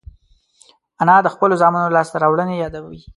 انا د خپلو زامنو لاسته راوړنې یادوي